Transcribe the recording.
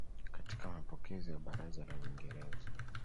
katika mapokezi ya Baraza la Uingereza